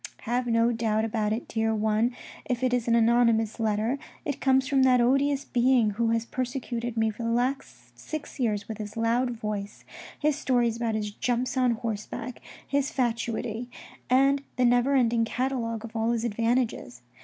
" Have no doubt about it, dear one, if it is an anonymous letter, it comes from that odious being who has persecuted me for the last six years with his loud voice, his stories about his jumps on horseback, his fatuity, and the never ending catalogue of all his advantages.